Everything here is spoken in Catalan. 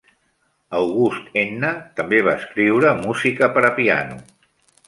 August Enna també va escriure música per a piano.